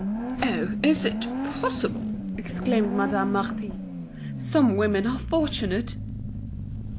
"Oh! is it possible!" exclaimed Madame Marty. "Some women are fortunate!"